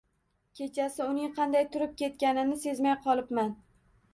Kechasi uning qanday turib ketganini sezmay qolibman.